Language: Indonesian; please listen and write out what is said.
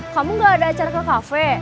kamu gak ada acara ke kafe